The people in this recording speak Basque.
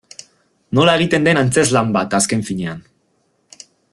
Nola egiten den antzezlan bat, azken finean.